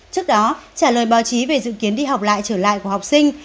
trước đó trả lời báo chí về dự kiến đi học lại trở lại của học sinh